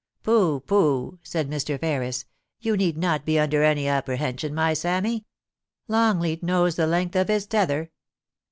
* Pooh ! pooh !' said Mr. Ferris, * you need not be under any apprehension, my Sammy ; Longleat knows the length of his tether.'